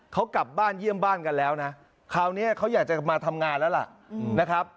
เขากลับบ้านเยี่ยมบ้านกันแล้วนะคราวนี้เขาอยากจะมาทำงานแล้วล่ะนะครับ